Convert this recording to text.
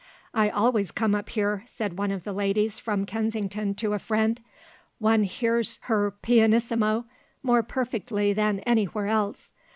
"I always come up here," said one of the ladies from Kensington to a friend. "One hears her pianissimo more perfectly than anywhere else.